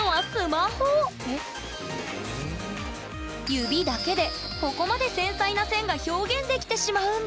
指だけでここまで繊細な線が表現できてしまうんです！